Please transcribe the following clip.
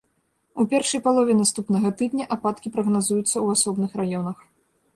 У першай палове наступнага тыдня ападкі прагназуюцца ў асобных раёнах.